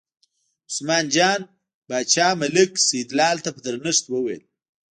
عثمان جان باچا ملک سیدلال ته په درنښت وویل.